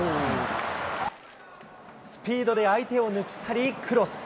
スピードで相手を抜き去り、クロス。